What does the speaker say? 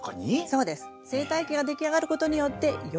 そうです。